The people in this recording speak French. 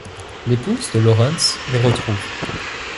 L'épouse de Lawrence les retrouve...